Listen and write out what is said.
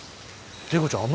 麗子ちゃん